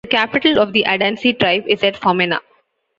The capital of the Adansi tribe is at Fomena.